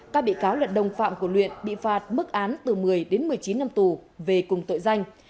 các bị cáo là đồng phạm của luyện bị phạt mức án từ một mươi đến một mươi chín năm tù về cùng tội danh